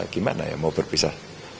gimana ya mau berpisah